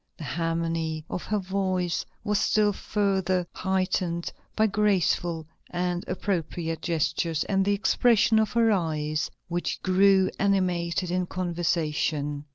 The harmony of her voice was still further heightened by graceful and appropriate gestures and the expression of her eyes, which grew animated in conversation.